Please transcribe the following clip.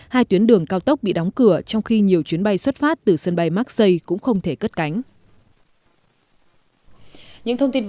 hai tuyến đường cao tốc bị đóng cửa trong khi nhiều chuyến bay xuất phát từ sân bay maxi cũng không thể cất cánh